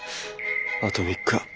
あと３日。